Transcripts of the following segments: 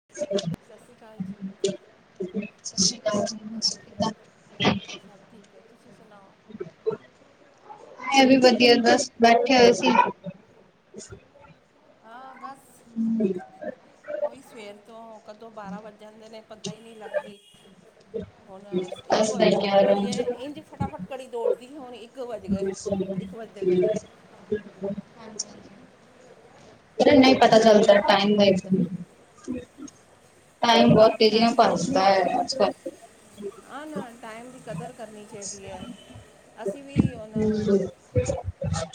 [inaudible] ਸਤਿ ਸ੍ਰੀ ਕਾਲ ਜੀ। [unintelligible] ਸਬ ਠੀਕ ਐ, ਤੁਸੀਂ ਸੁਨਾਓ? ਮੈਂ ਵੀ ਵਦੀਆ, ਬਸ ਬੈਠੇ ਹੋਏ ਸੀ। ਹਾਂ, ਬਸ [inaudible] ਓਈ ਸਵੇਰ ਤੋਂ ਕਦੋਂ ਬਾਰਾਂ ਵੱਜ ਜਾਂਦੇ ਨੇ, ਪਤਾ ਈ ਨੀਂ ਲੱਗਦੀ। [inaudible] ਹੁਣ ਸ ਇੱਕ ਬਸ ਵ ਲੈ ਕੇ ਆ ਰਹੇ ਘੜੀ ਐ ਹਾਂਜੀ, ਇੰਜ ਫਟਾਫਟ ਘੜੀ ਦੌੜਦੀ, ਹੁਣ ਇੱਕ ਵੱਜ ਗਏ। ਇੱਕ ਵੱਜਦੇ ਪਏ ਨੇ। [inaudible] ਅਰੇ ਨਈਂ ਪਤਾ ਚੱਲਦੈ ਟਾਈਮ [unintelligible] ਟਾਈਮ ਬੋਤ ਤੇਜੀ ਨਾਲ ਭੱਜਦੈ ਅੱਜ-ਕੱਲ। ਆਂ, ਨਾ ਟਾਈਮ ਦੀ ਕਦਰ ਕਰਨੀ ਚਾਈਦੀ ਐ। ਅਸੀਂ ਵੀ ਹੁਨ,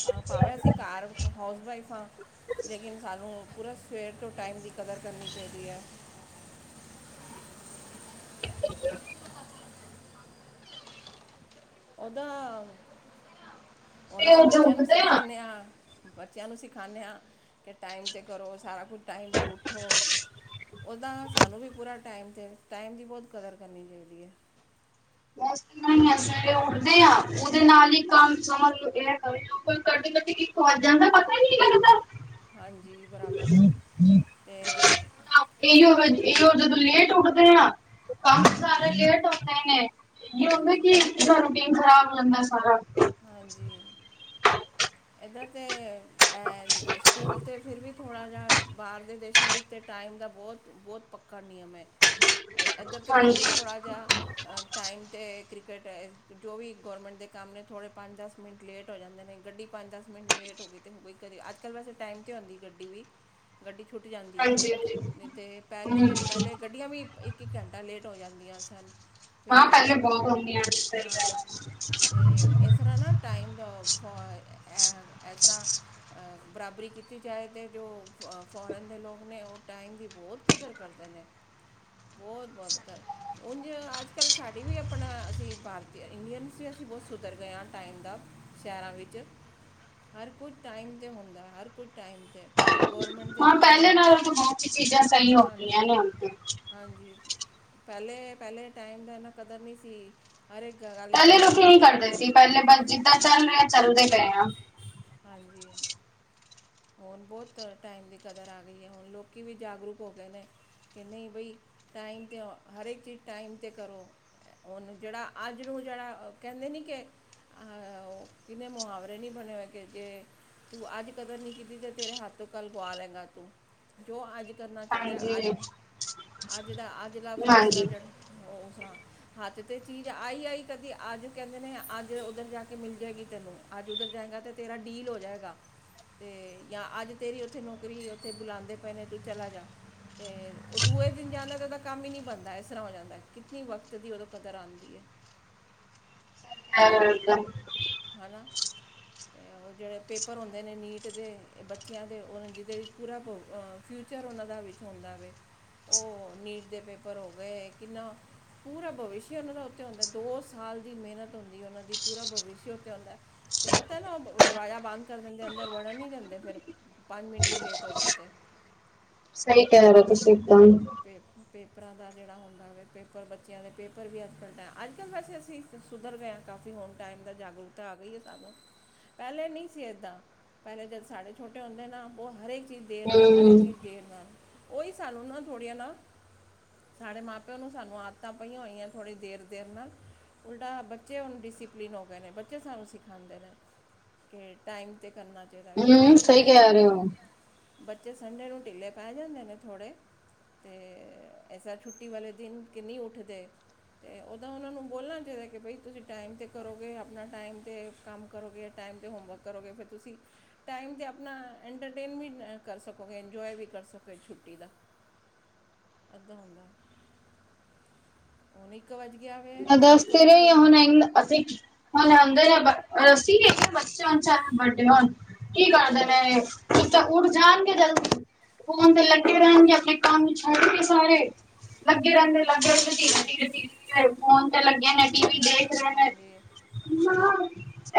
ਅ ਭਾਵੇਂ ਅਸੀਂ ਘਾਰ ਹਾਊਸਵਾਈਫ ਆਂ, ਲੇਕਿਨ ਸਾਨੂੰ ਪੂਰਾ ਸਵੇਰ ਤੋਂ ਟਾਈਮ ਦੀ ਕਦਰ ਕਰਨੀ ਚਾਈਦੀ ਐ। ਓਦਾਂ ਹੁਨ ਅਸੀਂ ਸਵੇਰ ਜੋ ਬੱਚੇਆਂ ਨੂੰ ਉੱਠਦੇ ਆ ਸਿਖਾਨੇ ਆਂ। ਬੱਚਿਆਂ ਨੂੰ ਸਿਖਾਂਣੇ ਆ, ਕਿ ਟਾਈਮ 'ਤੇ ਕਰੋ ਸਾਰਾ ਕੁਛ, ਟਾਈਮ 'ਤੇ ਉਠੋ। ਉਹਦਾ ਸਾਨੂੰ ਵੀ ਪੂਰਾ ਟਾਈਮ 'ਤੇ ਟਾਈਮ ਦੀ ਬਹੁਤ ਕਦਰ ਕਰਨੀ ਚਾਈਦੀ ਐ। ਆ ਕੀ ਨੇ ਸਵੇਰੇ ਉੱਠਦੇ ਆ ਉਹਦੇ ਨਾਲ ਹੀ ਕੰਮ ਸਮਝਲੋ ਇਹ ਕਰਦੇ-ਕਰਦੇ ਇੱਕ ਵੱਜ ਜਾਂਦਾ। ਪਤਾ ਹੀ ਨਹੀਂ ਲੱਗਦਾ। ਹਾਂਜੀ, ਬਰਾਬਰ ਨਾ, ਤੇ ਇਹੀਓ, ਇਹੀ ਓ ਜਦੋਂ ਲੇਟ ਉੱਠਦੇ ਆ ਕੰਮ ਸਾਰੇ ਹਾਂਜੀ ਲੇਟ ਹੋ ਜਾਦੇ ਨੇ, ਨੀ ੳਦੇ ਕੀ ਹਾਂਜੀ ਸਾਰਾ ਰੂਟੀਨ ਖਰਾਬ ਹੋ ਜਾਦਾ ਸਾਰਾ। ਹਾਂਜੀ, ਇੱਦਾਂ ਤੇ ਅ ਸਕੂਲ ਤੇ ਫਿਰ ਵੀ ਥੋੜ੍ਹਾ ਜਿਹਾ ਬਾਹਰਲੇ ਦੇਸ਼ਾਂ ਵਿੱਚ ਤਾਂ ਟਾਈਮ ਦਾ ਬਹੁਤ-ਬਹੁਤ ਪੱਕਾ ਨਿਯਮ ਐ। ਇ- ਏਧਰ ਤੇ ਫਿਰ ਹਾਂਜੀ ਵੀ ਥੋੜਾ ਜਿਹਾ ਟਾਈਮ 'ਤੇ ਕ੍ਰਿਕਟ ਐ, ਜੋ ਵੀ ਗੌਰਮੈਂਟ ਦੇ ਕੰਮ ਨੇ ਥੋੜੇ ਪੰਜ-ਦਸ ਮਿੰਟ ਲੇਟ ਹੋ ਜਾਂਦੇ ਨੇ। ਗੱਡੀ ਪੰਜ-ਦਸ ਮਿੰਟ ਲੇਟ ਹੋ ਗਈ ਤੇ ਹੋ ਗਈ ਕਦੇ। ਅੱਜ-ਕੱਲ੍ਹ ਵੈਸੇ ਟਾਈਮ ਤੇ ਆਉਂਦੀ ਗੱਡੀ ਵੀ, ਗੱਡੀ ਛੁੱਟ ਜਾਂਦੀ ਐ ਹਾਂਜੀ ਹਾਂਜੀ ਨਈ ਤੇ ਪਹਿਲੇ-ਪਹਿਲੇ ਗੱਡ ਗੱਡੀਆਂ ਵੀ ਇੱਕ-ਇੱਕ ਘੰਟਾ ਲੇਟ ਹੋ ਜਾਂਦੀਆਂ ਸਨ। ਹਾਂ ਫਿਰ ਪਹਿਲੇ ਬਹੁਤ ਹੁੰਦੀਆਂ ਸਹੀ ਹਾਂ, ਗੱਲ ਤੇ ਰ੍ਹਾਂ ਨਾ ਟਾਈਮ ਦਾ ਫ ਇਸ ਤਰ੍ਹਾਂ ਅ, ਬਰਾਬਰੀ ਕੀਤੀ ਜਾਏ, ਤੇ ਜੋ ਫ-ਫੋਰਨ ਦੇ ਲੋਕ ਨੇ ਉਹ ਟਾਈਮ ਦੀ ਬਹੁਤ ਕਦਰ ਨੇ, ਬਹੁਤ ਵੱਧ ਕਰ ਉਂਝ ਅੱਜ-ਕੱਲ੍ਹ ਸਾਡੀ ਵੀ ਆਪਣਾ ਅਸੀਂ ਭਾਰਤੀ ਇੰਡੀਅਨ ਵੀ ਅਸੀਂ ਬਹੁਤ ਸੁਧਰ ਗਿਆ। ਟਾਈਮ ਦਾ ਸ਼ਹਿਰਾਂ ਵਿੱਚ ਹਰ ਕੁਝ ਟਾਈਮ ਤੇ ਹੁੰਦਾ, ਹਰ ਕੁਝ ਟਾਈਮ ਤੇ ਗੌਰਮੈਂਟ ਹਾਂ ਪਹਿਲੇ ਨਾਲ ਹੁਣ ਬਹੁਤ ਸੀ ਚੀਜ਼ਾਂ ਸਹੀ ਹੋ ਹਾਂਜੀ ਗਈਆਂ ਨੇ ਹੁਣ ਤੇ ਹਾਂਜੀ ਪਹਿਲੇ-ਪਹਿਲੇ ਟਾਈਮ ਦਾ ਇਨਾ ਕਦਰ ਨਈ ਸੀ। ਹਰ ਇੱਕ ਗਾੜੀ ਇੱਕ ਪਹਿਲੇ ਲੋਕੀ ਘੰਟਾ ਨਹੀਂ ਲੇਟ ਕਰਦੇ ਸੀ ਪਹਿਲੇ ਬਸ ਜਿੱਦਾਂ ਚੱਲ ਰਿਹੇ, ਚੱਲਦੇ ਪਏ ਆ। ਹਾਂਜੀ। ਹੁਣ ਬਹੁਤ ਟਾਈਮ ਦੀ ਕਦਰ ਆ ਗਈ ਐ। ਹੁਣ ਲੋਕੀ ਵੀ ਜਾਗਰੂਕ ਹੋ ਗਏ ਨੇ ਕਿ ਨਈ ਬਈ ਟਾਈਮ 'ਤੇ ਹਰ ਇੱਕ ਚੀਜ਼ ਟਾਈਮ 'ਤੇ ਕਰੋ। ਹੁਣ ਜਿਹੜਾ ਅੱਜ ਨੂੰ ਜਿਹੜਾ ਕਹਿੰਦੇ ਨੀ ਕੇ ਆਹ ਕਿੰਨੇ ਮੁਹਾਵਰੇ ਨੀ ਬਣੇ ਹੋਏ ਕਿ, ਤੂੰ ਅੱਜ ਕਦਰ ਨੀ ਤੇ ਤੇਰੇ ਹੱਥੋਂ ਕੱਲ ਗੁਆ ਲੈਂਗਾ ਤੂੰ, ਜੋ ਅੱਜ ਕਰਨਾ ਚਾਈਦਾ ਹਾਂਜੀ ਅੱਜ ਅੱਜ ਦਾ ਅੱਜ ਦਾ ਫੈਸਲਾ ਹਾਂਜੀ ਜਿਹੜਾ, ਹੋਰ ਸੁਣਾ ਹੱਥ ਤੇ ਚੀਜ਼ ਆਈ-ਆਈ ਕਦੀ ਅੱਜ ਕਹਿੰਦੇ ਨੇ, ਅੱਜ ਉੱਧਰ ਜਾ ਕੇ ਮਿਲ ਜਾਏਗੀ ਤੈਨੂੰ ਅੱਜ ਉੱਧਰ ਜਾਏਗਾ ਅਤੇ ਤੇਰਾ ਡੀਲ ਹੋ ਜਾਏਗਾ ਤੇ ਜਾਂ ਅੱਜ ਤੇਰੀ ਉੱਥੇ ਨੌਕਰੀ, ਉੱਥੇ ਬੁਲਾਉਂਦੇ ਪਏ ਨੇ ਤੂੰ ਚਲਾ ਜਾ। ਤੇ ਉਹ ਦੂਏ ਦਿਨ ਜਾਂਦਾ ਤੇ ਉਹਦਾ ਕੰਮ ਹੀ ਨਈ ਬਣਦਾ, ਇਸ ਤਰ੍ਹਾਂ ਹੋ ਜਾਂਦਾ ਕਿਤਨੀ ਵਕਤ ਦੀ ਉਦੋਂ ਕਦਰ ਆਉਂਦੀ ਐ। [inaudible] ਜਿਹੜਾ ਇਕਦਮ ਹੈਨਾ ਤੇ ਉਹ ਜਿਹੜੇ ਪੇਪਰ ਹੁੰਦੇ ਨੇ ਨੀਟ ਦੇ ਬੱਚਿਆਂ ਦੇ ਉਹ ਜਿਹਦੇ ਚ ਪੂਰਾ ਅ ਫਿਊਚਰ ਉਹਨਾਂ ਦਾ ਵਿੱਚ ਹੁੰਦਾ ਵੇ ਉਹ ਨੀਟ ਦੇ ਪੇਪਰ ਹੋ ਗਏ, ਕਿੰਨਾ ਪੂਰਾ ਭਵਿਸ਼ਯ ਉਹਨਾਂ ਦਾ ਉਤੇ ਹੁੰਦਾ, ਦੋ ਸਾਲ ਦੀ ਮਿਹਨਤ ਹੁੰਦੀ ਹੈ, ਉਹਨਾਂ ਦੀ ਭਵਿਸ਼ਯ ਉਤੇ ਹੁੰਦਾ ਐ। ਤੇ ਪਤਾ ਨਾ, ਉਹ ਦਰਵਾਜ਼ਾ ਬੰਦ ਕਰ ਦਿੰਦੇ, ਅੰਦਰ ਵੜਨ ਨੀ ਦਿੰਦੇ। ਅਗਰ ਪੰਜ ਮਿੰਟ ਵੀ ਲੇਟ ਹੋ ਜਾਏ ਤੇ ਸਈ ਕੇ ਤੁਸੀ [unintelligible] ਤੇ ਪੇਪਰਾਂ ਦਾ ਜੇੜਾ ਹੁੰਦਾ ਵੇ, ਪੇਪਰ ਬੱਚਿਆਂ ਦੇ ਪੇਪਰ ਵੀ ਅੱਜ ਕੱਲ ਟਮ ਅੱਜ ਕੱਲ ਵੈਸੇ ਅਸੀਂ ਸੁਧਰ ਗਏ ਆ ਕਾਫੀ ਹੁਣ ਟਾਈਮ ਦਾ ਜਾਗਰੂਕਤਾ ਆ ਗਈ ਏ ਸਾਨੂੰ। ਪੈਲੇ ਨੀ ਸੀ ਇੱਦਾਂ, ਪੈਲੇ ਜਦ ਸਾਡੇ ਛੋਟੇ ਹੁੰਦੇ ਨਾ ਉਹ ਹਰ ਏਕ ਚੀਜ਼ ਦੇਰ ਨਾਲ ਹਰ ਹੂੰ ਏਕ ਦੇਰ ਨਾਲ ਉਹੀ ਸਾਨੂੰ ਨਾ ਥੋੜੀਆਂ ਨਾ ਸਾਡੇ ਮਾਂ-ਪਿਓ ਨੂੰ ਸਾਨੂੰ ਆਦਤਾਂ ਪਈਆਂ ਹੋਈਆਂ ਥੋੜ੍ਹੀ ਦੇਰ-ਦੇਰ ਨਾਲ। ਉਲਟਾ ਬੱਚੇ ਹੁਨ ਡਿਸਿਪਲਿਨ ਹੋਗੇ ਨੇ, ‌ਬੱਚੇ ਸਾਨੂੰ ਸਿਖਾਂਦੇ ਨੇ। ਕੇ ਟਾਈਮ ਤੇ ਕਰਨਾ ਚਾਈਦਾ, ਹਾਂ ਹੂੰ ਸਹੀ ਸੰਡੇ ਨੂੰ ਕਹਿ ਰਹੇ ਹੋ ਬੱਚੇ ਸੰਡੇ ਨੂੰ ਢਿੱਲੇ ਪੈ ਜਾਂਦੇ ਨੇ ਥੋੜ੍ਹੇ। ਤੇ ਐਸਾ ਛੁੱਟੀ ਵਾਲੇ ਦਿਨ ਕਿ ਨੀ ਉੱਠਦੇ। ਤੇ ਉਦਾਂ ਉਨਾਂ ਨੂੰ ਬੋਲਣਾ ਚਾਈਦਾ, ਕਿ ਬਾਈ ਤੁਸੀਂ ਟਾਈਮ ਤੇ ਕਰੋਗੇ ਆਪਣਾ ਟਾਈਮ ਤੇ ਕੰਮ ਕਰੋਗੇ ਯਾ ਟਾਈਮ ਤੇ ਹੋਮਵਰਕ ਕਰੋਗੇ, ਫੇਰ ਤੁਸੀਂ ਟਾਈਮ ਤੇ ਨਾ ਐੰਟਰਟੇਨਮੇਂਟ ਵੀ ਕਰ ਸਕੋਗੇ, ਇੰਜੋਏ ਵੀ ਕਰ ਸਕੋਗੇ ਛੁੱਟੀ ਦਾ। ਐਦਾ ਹੁੰਦਾ। ਹੁਣ ਇੱਕ ਵੱਜ ਗਿਆ। ਵੇ ਐ ਦਸ ਇੱਕ ਤੇ ਵੱਜ ਰੇ ਗਿਆ ਹੁਣ ਆ ਅਸੀਂ ਹੁਨ ਆਂਦੇ ਨੇ ਬ ਰਸੀ [unintelligible] ਬੱਚੇ ਹੋਨ ਚਾਏ ਬਡੇ ਹੋਨ। ਕੀ ਕਰਦੇ ਨੇ ਉੱਠ ਜਾਣਗੇ ਜਲਦੀ, ਫੋਨ ਤੇ ਲਗੇ ਹਾਂਜੀ ਰੇਣਗੇ ਅ ਕਾਮ ਛੋਡ ਕੇ ਸਾਰੇ ਲੱਗੇ ਰਿੰਦੇ ਲੱਗੇ ਰਿੰਦੇ ਧੀਰੇ-ਧੀਰੇ, ਧੀਰੇ। ਫੋਨ ਤੇ ਲੱਗੇ ਨੇ ਟੀ ਵੀ ਦੇਖ ਰਹੇ ਨੇ ਹਾਂਜੀ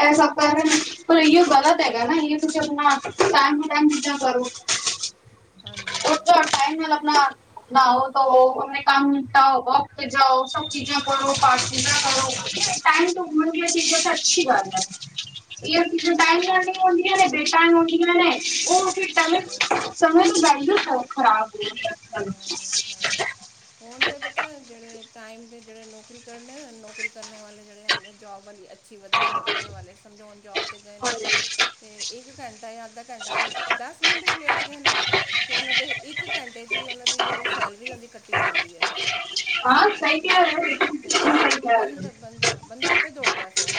ਇਹ ਸਭ ਕਰ ਰੈ ਨੇ। ਪਰ ਇਓ ਗ਼ਲਤ ਹੈਗਾ ਨਾ ਇਓ ਤੁਸੀਂ ਆਪਣਾ ਟੈਮ ਟੂ ਟੈਮ ਚੀਜ਼ਾਂ ਕਰੋ। ਹਾਂਜੀ [unintelligible] ਉੱਠੋ ਟਾਈਮ ਨਾਲ ਆਪਣਾ ਨਾਓ ਤੋਵੋ ਆਪਣੇ ਕੰਮ ਨਿਪਟਾਓ ਵੋਕ ਤੇ ਜਾਓ ਸਭ ਚੀਜ਼ਾਂ ਉਹੀ ਕਰੋ ਪਾਠ ਪੂਜ਼ਾਂ ਉਹੀ ਕਰੋ ਟਾਈਮ ਤੇ ਹੋਨ ਗਿਆ ਚੀਜ਼ਾਂ ਤਾਂ ਅਛੀ ਗੱਲ ਐ। [unintelligible] ਟਾਈਮ ਬਰਾਬਰ ਹੈ ਨਾਲ ਨੀ ਬਰਾਬਰ ਹੁੰਦੀਆਂ ਨੇ ਬੇ ਟਾਈਮ ਹੁੰਂਦੀਆਂ ਨੇ ਓ ਅਸੀ ਹਾਂਜੀ [unintelligible] ਖਰਾਬ ਏ। ਬ ਬਰਾਬਰ ਹੋਣ ਦੇ ਪੇ ਦੇਣੇ ਟਾਈਮ ਤੇ ਜੇੜੇ ਨੌਕਰੀ ਕਰਦੇ ਨੌਕਰੀ ਕਰਨ ਵਾਲੇ ਜੇੜੇ ਐ ਜੋਬ ਵਾਲੀ ਅੱਛ ਛੀ ਵਧੀਆ ਨੌਕਰੀਆ ਵਾਲੇ ਸਮਝੋ ਹੂਨ ਜੋਬ ਤੇ ਗਏ ਨੇ। ਹਾਂਜੀ ਤੇ ਇੱਕ ਘੰਟਾ ਯਾ ਅੱਧਾ ਘੰਟਾ ਵੀ ਦਸ ਮਿੰਟ ਵੀ ਲੇਟ ਗਏ ਨਾ ਤੇ ਓਨਾਂ ਤੇ ਇੱਕ ਘੰ ਦੀ ਉਨਾਂ ਦੀ ਜੇੜੀ ਸੈਲਰੀ ਹੋਂਦੀ ਕੱਟੀ ਜਾਂਦੀ ਐ। ਤੇ ਬੰ ਬੰਦਾ-ਬੰਦਾ ਆਪੇ ਜੋੋੜਦਾ ਫੇਰ।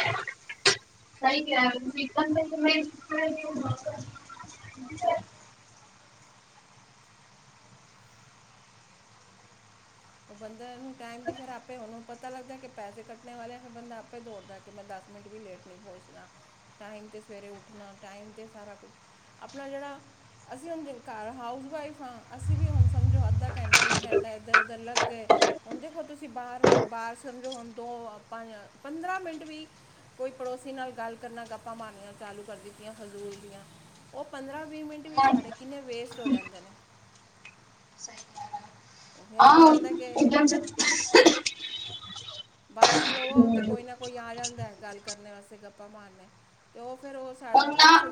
ਸਹੀ ਕਿਆ ਤੁਸੀਂ [unintelligible] [unintelligible] ਔ ਬੰਦਿਆਂ ਨੂੰ ਟਾਈਮ ਦੀ ਫਿਰ ਆਪੇ ਓਨੂੰ ਪਤਾ ਲੱਗਦਾ ਕਿ ਪੈਸੇ ਕੱਟਣੇ ਵਾਲੇ ਐ ਫਿਰ ਬੰਦਾ ਆਪੇ ਦੌੜਦਾ ਕਿ ਮੈਂ ਦਸ ਮਿੰਟ ਵੀ ਲੇਟ ਨੀ ਪੋਚਨਾ। ਟਾਈਮ ਤੇ ਸਵੇਰੇ ਉੱਠਣਾ ਟਾਈਮ ਤੇ ਸਾਰਾ ਕੁਝ ਆਪਣਾ ਜੇੜਾ ਅਸੀਂ ਹੁਣ ਜ ਘਰ ਹਾਊਸ ਵਾਈਫ ਆ ਅਸੀਂ ਵੀ ਹੁਣ ਸਮਝੋ ਅੱਧਾ ਘੰਟਾ ਇੱਕ ਘੰਟਾ ਇੱਧਰ-ਉੱਧਰ ਲੱਗ ਗੇ ਹੁਣ ਦੇਖੋ ਤੁਸੀਂ ਬਾਰ-ਬਾਰ ਸਮਝੋ ਹੁਣ ਦੋ ਪੰਦਰਾਂ ਮਿੰਟ ਵੀ ਕੋਈ ਪੜੋਸੀ ਨਾਲ ਗੱਲ ਕਰਨਾ ਗੱਪਾਂ ਮਾਰੀਆਂ ਚਾਲੂ ਕਰ ਦਿੱਤੀਆਂ ਫਜ਼ੂਲ ਦੀਆਂ ਔ ਪੰਦਰਾ-ਵੀਹ ਮਿੰਟ ਵੀ ਸਾਡੇ ਕਿੰਨੇ ਵੇਸਟ ਹੋ ਜਾਂਦੇ ਨੇ। ਉਹ ਫਿਰ ਆਹ ਐਵੇਂ ਉਦ ਆਂਦਾ ਕਿ ਹਾਂ [unintelligible] ਬਾਰ ਖਲੋਵੋ ਤੇ ਕੋਈ ਨਾ ਕੋਈ ਆ ਜਾਂਦਾ ਗੱਲ ਕਰਨ ਵਾਸਤੇ ਗੱਪਾਂ ਮਾਰਨ ਤੇ ਉਹ ਫਿਰ ਸਾਰਾ ਫ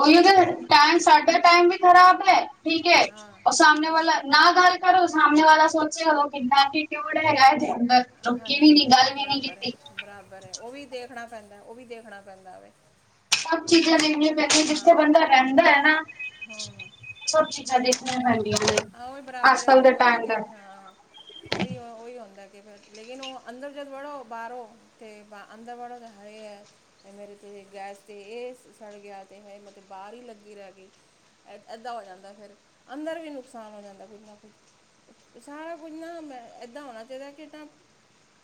ਉਈਓ ਤੇ, ਟੈਮ ਸਾਡਾ ਟੈਮ ਵੀ ਖਰਾਬ ਐ। ਠੀਕ ਐ, ਹਾਂ ਔਰ ਸਾਮਣੇ ਹਾਂਜੀ ਵਾਲਾ ਨਾ ਗੱਲ ਕਰੋ ਸਾਮਣੇ ਵਾਲਾ ਸੋਚੇ ਹੋ ਕਿਨਾ ਐਟੀਟਿਊਡ ਐਗਾ ਇਥ ਅੰਦਰ ਰੁਕੀ ਵੀ ਹਾਂਜੀ ਨੀ ਗੱਲ ਵੀ ਨੀ ਬਰਾਬਰ ਹੈ ਕੀਤੀ। ਬਰਾਬਰ ਐ ਉਹ ਵੀ ਦੇਖਣਾ ਪੈਂਦਾ ਉਹ ਵੀ ਦੇਖਣਾ ਪੈਂਦਾ ਵੇ ਸਭ ਚੀਜ਼ਾਂ ਤੇ ਦੇਣੀਆਂ ਪੈਂਦੀਆਂ ਜਿੱਥੇ ਹਾਂ ਬੰਦਾ ਰਹਿੰਦਾ ਐ ਨਾ, ਹੂੰ ਸਭ ਚੀ ਚੀਜ਼ਾਂ ਦੇਖੀਆਂ ਪੈਂਦੀਆਂ ਨੇ, ਹਾਂ ਉਹੀ ਬਰਾਬਰ ਹੈ ਅਸਲ ਫਿਰ ਦੇ ਬੋਲਦੇ ਟਾਈਮ ਕਿ ਦਾ ਹਾਂ ਉਹੀ ਆ ਉਹੀ ਆਦਾ ਕਿ ਫਿਰ, ਲੇਕਿਨ ਉਹ ਅੰਦਰ ਜਦੋਂ ਵੜੋ ਬਾਹਰੋਂ ਤੇ ਅੰਦਰ ਵਾਲਾ ਤਾਂ ਹੈ ਈ ਐ। ਮੇਰੀ ਤੇ ਗੈਸ ਤੇ ਇਹ ਸੜ ਗਿਆ ਤੇ ਹੈ ਮੈਂ ਤੇ ਬਾਹਰ ਈ ਲੱਗੀ ਰਹਿ ਗਈ। ਇ ਏਦਾਂ ਹੋ ਜਾਂਦਾ ਫੇਰ, ਅੰਦਰ ਵੀ ਨੁਕਸਾਨ ਹੋ ਜਾਂਦਾ ਕੁੱਝ ਨਾ ਕੁੱਝ ਸਾਰਾ ਕੁੱਝ ਨਾ ਮੈਂ ਏਦਾਂ ਹੋਣਾ ਚਾਹੀਦਾ ਕਿਦਾਂ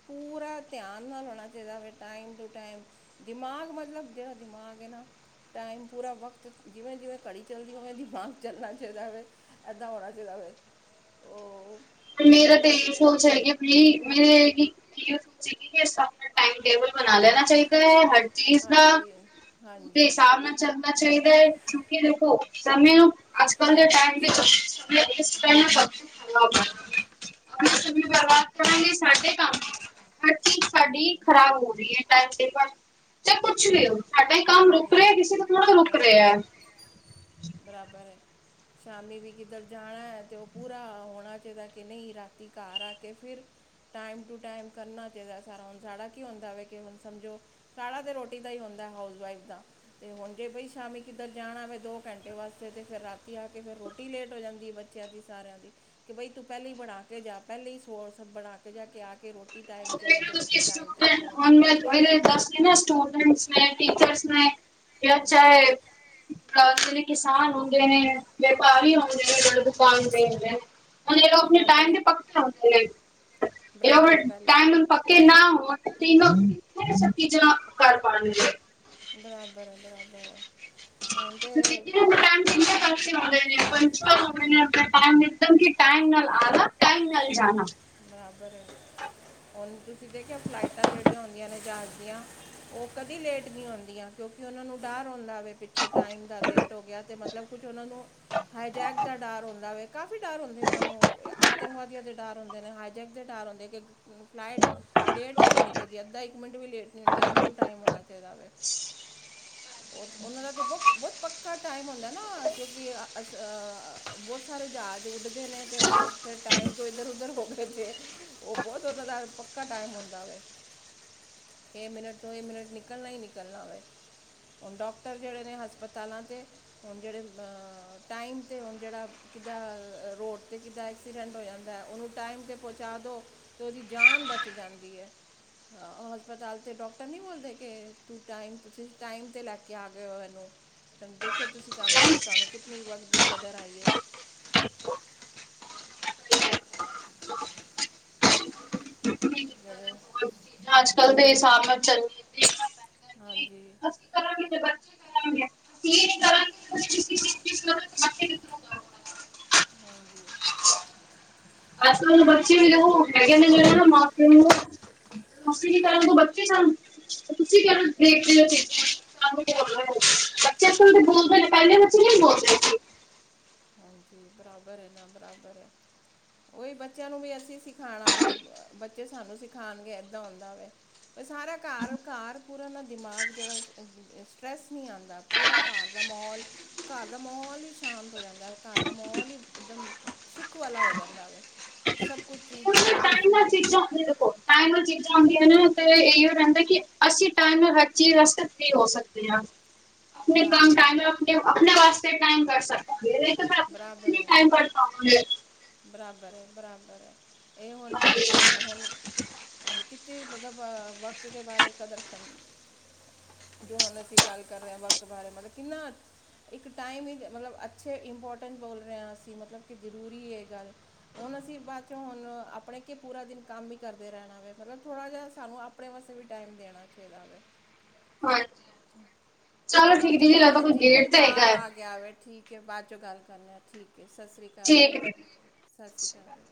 ਪੂਰਾ ਧਿਆਨ ਨਾਲ ਹੋਣਾ ਚਾਹੀਦਾ ਵੇ ਟਾਈਮ ਟੂ ਟਾਈਮ ਦਿਮਾਗ ਮਤਲਬ ਜਿਹੜਾ ਦਿਮਾਗ ਐ ਨਾ ਟਾਈਮ ਪੂਰਾ ਵਕਤ ਜਿਵੇਂ-ਜਿਵੇਂ ਘੜੀ ਚੱਲਦੀ ਉਵੇਂ ਦਿਮਾਗ ਚੱਲਣਾ ਚਾਹੀਦਾ ਹੋਵੇ। ਇੱਦਾਂ ਹੋਣਾ ਚਾਹੀਦਾ ਵੇ, ਉਹ ਤੇ ਮੇਰਾ ਮਤਲਬ ਤੇ ਇਹ ਸੋਚ ਹੈਗੀ ਐ ਕਿ [unintelligible] ਟਾਈਮ ਟੇਬਲ ਬਣਾ ਲੈਣਾ ਚਾਹੀਦਾ ਐ ਹਰ ਚੀਜ਼ ਦਾ, ਹਾਂਜੀ ਉਹਦੇ ਹਾਂਜੀ ਹਿਸਾਬ ਨਾਲ ਚੱਲਣਾ ਚਾਹੀਦਾ ਕਿਉਂਕਿ ਦੇਖੋ ਤਾ ਵੀ ਅੱਜ-ਕੱਲ ਦਾ ਟਾਈਮ [unintelligible] ਆਪ ਤੋਂ ਵੀ ਹਾਂਜੀ ਬਰਬਾਦ ਕਰਾਂਗੇ ਸਾਡੇ ਕੰਮ ਹਰ ਚੀਜ਼ ਹਾਂਜੀ ਸਾਡੀ ਖ਼ਰਾਬ ਹੋ ਰੀ ਐ। [unintelligible] ਪੁੱਛ ਲਿਓ ਸਾਡਾ ਕੰਮ ਰੁਕ ਹਾਂਜੀ ਰਿਆ ਕਿਸੇ ਤੋਂ ਥੋੜਾ ਰੁਕ ਬਰਾਬਰ ਰਿਆ। ਬਰਾਬਰ ਐ, ਸ਼ਾਮੀ ਵੀ ਕਿੱਧਰ ਜਾਣਾ ਏ ਤੇ ਉਹ ਪੂਰਾ ਹੋਣਾ ਚਾਹੀਦਾ ਕਿ ਨਈ ਰਾਤੀ ਘਰ ਆ ਕੇ ਫਿਰ ਟਾਈਮ ਟੂ ਟਾਈਮ ਕਰਨਾ ਚਾਹੀਦਾ ਸਾਰਾ ਹੁਣ ਸਾੜਾ ਕੀ ਹੁੰਦਾ ਵੇ ਕਿ ਹੁਣ ਸਮਝੋ, ਕਾਲਾ ਤੇ ਰੋਟੀ ਦਾ ਹੀ ਹੁੰਦਾ ਏ ਹਾਊਸਵਾਈਫ ਦਾ। ਤੇ ਹੁਣ ਜੇ ਬਾਈ ਸ਼ਾਮੀ ਕਿੱਧਰ ਜਾਣਾ ਵੇ ਦੋ ਘੰਟੇ ਵਾਸਤੇ ਤੇ ਫਿਰ ਰਾਤੀ ਆ ਕੇ ਫਿਰ ਰੋਟੀ ਟੀ ਲੇਟ ਜਾਂਦੀ ਐ, ਬੱਚਿਆਂ ਦੀ ਸਾਰਿਆਂ ਦੀ। ਕਿ ਬਈ ਤੂੰ ਪਹਿਲੇ ਈ ਬਣਾ ਕੇ ਜਾ ਪਹਿਲੇ ਈ ਸੋ ਬਣਾ ਕੇ ਜਾ ਕੇ ਆ ਕੇ ਰੋਟ ਟੀ ਟਾਈਮ ਤੇ ਹੋਵੇ ਤੇ ਬੱਚੇ ਟਾਈਮ ਤੇ ਸੋਣ। ਪ ਦੱਸ ਨਾ ਸਟੂਡੈਂਟਸ ਨੇ ਟੀਚਰਸ ਨੇ, ਜਾਂ ਹਾਂਜੀ ਚਾਏ ਜਿਹਨੇ ਕਿਸਾਨ ਹੁੰਦੇ ਨੇ, ਵਪਾਰੀ ਹੁੰਦੇ ਨੇ [unintelligible] ਹੁਣ ਇਹ ਲੋਕ ਆਪਣੇ ਬਰਾਬਰ ਟਾਈਮ ਦੇ ਹੈ ਪੱਕੇ ਹੁੰਦੇ ਆ। ਬਰਾਬਰ ਪਹਿਲ ਪੱਕੇ ਨਾ ਹੋਣ, ਤੇ ਇਹਨੇ ਸਭ ਚੀਜ਼ਾਂ ਕਰ ਪਾਣਗੇ। ਬਰਾਬਰ ਏ ਬਰਾਬਰ ਏ। [inaudible] ਨੇ ਪੰਚਲ ਹੁੰਦੇ ਨੇ ਆਪਣੇ ਟਾਈਮ ਇਕਦਮ ਕਿ ਟਾਈਮ ਨਾਲ ਆਣਾ, ਟਾਈਮ ਨਾਲ ਜਾਣਾ। ਬਰਾਬਰ ਐ, ਹੁਣ ਤੁਸੀਂ ਦੇਖਿਓ ਫਲਾਈਟਾਂ ਜਿਹੜੀਆਂ ਹੁੰਦੀਆਂ ਨੇ ਜਹਾਜ਼ ਦੀਆਂ। ਉਹ ਕਦੀ ਲੇਟ ਨੀ ਆਉਦੀਆਂ ਕਿਉਕਿ ਉਹਨਾਂ ਨੂੰ ਡਰ ਆਉਂਦਾ ਪਿੱਛੋਂ ਦਾ ਲੇਟ ਹੋ ਗਿਆ ਤੇ ਮਤਲਬ ਕੁਝ ਉਹਨਾਂ ਨੂੰ ਹਾਈਜੈਕ ਦਾ ਡਰ ਹੁੰਦਾ ਵੇ ਕਾਫੀ ਡਰ ਹੁੰਦੇ ਉਹਨਾਂ ਨੂੰ, ਆਤੰਕਵਾਦੀਆਂ ਦੇ ਡਰ ਹਾਈਜੈਕ ਦੇ ਟਾਇਰ ਹੁੰਦੇ ਕਿ ਫਲਾਈਟ ਲੇਟ ਨੀ ਹੋਣੀ ਚਾਹੀਦੀ ਅੱਧਾ ਇੱਕ ਮਿੰਟ ਵੀ ਲੇਟ ਹੋਣਾ ਟਾਈਮ ਟੂ ਟਾਈਮ ਹੋਣਾ ਚਾਹੀਦਾ ਵੇ। [inaudible] ਉਹ ਉਹਨਾਂ ਦਾ ਬਹੁਤ-ਬਹੁਤ ਪੱਕਾ ਟਾਈਮ ਹੁੰਦਾ ਨਾ ਕਿਉਕਿ ਆ ਬੋਤ ਸਾਰੇ ਜਾਜ਼ ਉਡਦੇ ਨੇ ਤੇ ਓ ਫੇਰ ਟਾਈਮ ਤੋਂ ਏਧਰ-ਉੱਧਰ ਹੋ ਜੇ, ਓ ਬੋਤ ਓਨਾਂ ਦਾ ਪੱਕਾ ਟਾਈਮ ਹੁੰਦਾ ਵੇ। ਏ ਮਿੰਨਟ ਤੋਂ ਏ ਮਿੰਨਟ ਨਿਕਲਨਾ ਈ ਨਿਕਲਨਾ ਵੇ। ਹੁਣ ਡਾਕਟਰ ਜੇੜੇ ਨੇ ਹਸਪਤਾਲਾਂ ਤੇ ਹੁਣ ਜੇੜੇ ਅ ਟਾਈਮ ਤੇ ਹੁਣ ਜੇੜਾ ਕਿੱਦਾਂ ਅ ਰੋਡ ਤੇ ਚਾਏ ਐਕਸੀਡੈਂਟ ਹੋ ਜਾਂਦਾ ਓਨੂੰ ਟਾਈਮ ਤੇ ਪਹੁੰਚਾ ਦਿਉ ਤੇ ਓਦੀ ਜਾਨ ਬਚ ਜਾਂਦੀ ਏ। ਹਾਂ ਓਹ ਹਸਪਤਾਲ ਤੇ ਡਾਕਟਰ ਨੀ ਬੋਲਦੇ ਕੇ ਤੂੰ ਟਾਈਮ ਤੁਸੀਂ ਟਾਈਮ ਤੇ ਲੈ ਕੇ ਆ ਗੇ ਓ, ਏਨੂੰ ਦੇਖਿਓ ਤੁਸੀਂ ਕਹ ਕਿ ਤੁਆਨੂੰ ਜਾਣਾ ਕਿਤਨੀ ਵਕਤ ਦੀ ਕਦਰ ਆਈ ਏ। ਬਹੁਤ ਜੇੜੇ, ਚੀਜ਼ਾਂ ਅੱਜ ਕੱਲ ਦੇ ਓਈ ਨਾ ਹਿਸਾਬ ਨਾਲ ਚੱਲਦੀਆਂ ਦੇਖਣਾ ਪੈਂਦਾ ਕਿ ਹਾਂਜੀ। [inaudible] ਹਾਂਜੀ। ਅੱਜ-ਕੱਲ ਦੇ ਬਚੇ ਵੀ ਦੇਖੋ ਮੈਂ ਕੇਨੀ ਜੇੜਾ ਮਾਂ-ਪਿਓ ਨੂੰ- ਅਸੀਂ ਕੀ ਕੇਂਨਾ ਅਗੋਂ ਬੱਚੇ ਕੇਂਨ, ਤੇ ਤੁਸੀਂ ਕ ਦੇਖਦੇ ਓ ਚੇ [unintelligible] ਬੱਚੇ ਅੱਜ-ਕੱਲ ਦੇ ਬੋਲਦੇ ਨੇ ਪੈਲੇ ਬੱਚੇ ਨੀ ਬੋਲਦੇ ਸੀ। ਹਾਂਜੀ, ਬਰਾਬਰ ਏ ਨਾ ਬਰਾਬਰ ਐ। ਓਈ ਬੱਚਿਆਂ ਨੂੰ ਵੀ ਅਸੀਂ ਸਿਖਾਣਾ ਵੇ ਬੱਚੇ ਸਿਖਾਉਣਗੇ ਏਦਾਂ ਹੁੰਦਾ ਵੇ। ਪਰ ਸਾਰਾ ਕਾਰ-ਕਾਰ ਪੂਰਾ ਨਾ ਦਿਮਾਗ ਜੇੜਾ, ਸਟਰੈੱਸ ਨੀ ਆਦਾ। ਪੂਰਾ ਕਾੱਰ ਦਾ ਮਾਹੌਲ ਕਾੱਰ ਦਾ ਮਾਹੌਲ ਈ ਸ਼ਾਂਤ ਹੋ ਜਾਂਦਾ। ਕਾੱਰ ਦਾ ਮਾਹੌਲ ਈ ਇੱਕਦਮ ਸੁੱਖ ਵਾਲਾ ਹੋ ਜਾਂਦਾ ਵੇ, ਸਭ ਕੁਛ ਚੀਜ਼ ਤਾਈਂ ਤੁਸੀ ਆ ਚੀਜਾ ਓਧਰ ਈ ਰਖੋ। ਟਾਈਮ ਨਾਲ ਚੀਜ਼ਾਂ ਹੁੰਦੀਆਂ ਨੇ ਤੇ ਏਈ ਓ ਰਹਿੰਦਾ ਕਿ ਅਸੀਂ ਟਾਈਮ ਨਾਲ ਹਰ ਚੀਜ਼ ਵਾਸਤੇ ਫਰੀ ਹੋ ਸਕਦੇ ਆ। ਆਪਣੇ ਕੰਮ ਬਰਾਬਰ ਹੈ ਟਾਈਮ ਆਪਣੇ ਆਪਣੇ ਵਾਸਤੇ ਟਾਈਮ ਕਰ ਸਕਦੇ ਆਪਣੇ ਬਰਾਬਰ ਫਰੀ ਹੈ ਟਾਈਮ ਕੱਢ ਪਾਵਾਂਗੇ। ਬਰਾਬਰ ਐ-ਬਰਾਬਰ ਐ, ਏਹ ਹੁਣ, ਹੁਣ ਕਿਤੇ ਮਤਲਬ ਵਕਤ ਦੇ ਬਾਰੇ ਕਦਰ ਕਰਨੀ। ਜੋ ਹੁਣ ਅਸੀਂ ਗੱਲ ਕਰ ਰਹੇ ਆ ਵਕਤ ਬਾਰੇ ਮਤਲਬ ਕਿੰਨਾ ਇੱਕ ਟਾਈਮ ਈ ਮਤਲਬ ਅੱਛੇ ਇੰਪੋਰਟੈਂਟ ਬੋਲ ਰਹੇ ਆ ਅਸੀਂ ਮਤਲਬ ਕਿ ਜ਼ਰੂਰੀ ਐ ਏਹ ਗੱਲ ਹੁਣ ਅਸੀਂ ਬਾਦ ਚ ਹੁਣ ਆਪਣੇ ਕਿ ਪੂਰਾ ਦਿਨ ਕੰਮ ਈ ਕਰਦੇ ਰੈਂਨਾ ਵੇ ਮਤਲਬ ਥੋੜ੍ਹਾ ਜਯਾ ਸਾਨੂੰ ਆਪ ਆਪਣੇ ਵਾਸਤੇ ਵੀ ਟਾਈਮ ਦੇਣਾ ਚਾਈਦਾ ਵੇ। ਹਾਂਜੀ। ਚਲੋ ਠੀਕ ਦੀਦੀ ਚੰਗਾ ਲੱਗਦਾ ਪੈਨ ਜੀ ਕੋਈ ਗੇਟ ਤੇ ਹੈਗਾ ਬਾਰ ਹੈ। ਆ ਗਿਆ ਵੇ ਠੀਕ ਠੀਕ ਐ ਬਾਦ ਚੋਂ ਗੱਲ ਕਰਨੇ ਆ ਠੀਕ ਐ ਸਾਸ ਸ਼੍ਰੀ ਕਾਲ ਠੀਕ ਹੈ ਦੀਦੀ। ਸਤਿ ਜੀ-ਸਾਸ ਸ਼੍ਰੀ ਕਾਲ ਜੀ।